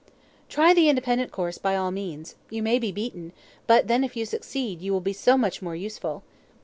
"Try the independent course, by all means; you may be beaten, but then if you succeed, you will be so much more useful."